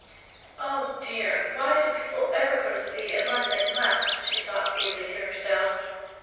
"Oh, dear, why do people ever go to sea, unless they must?" she thought feebly to herself.